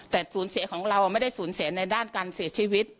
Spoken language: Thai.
แต่สูญเสียของเราไม่ได้สูญเสียในด้านการเสียชีวิต